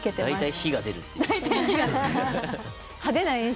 はい。